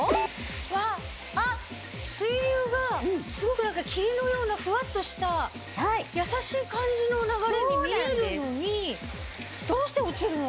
わっあっ水流がすごく霧のようなふわっとした優しい感じの流れに見えるのにどうして落ちるの？